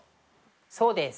そうです！